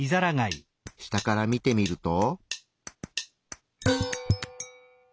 下から見てみると。